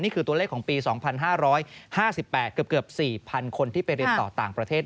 ตัวเลขของปี๒๕๕๘เกือบ๔๐๐๐คนที่ไปเรียนต่อต่างประเทศ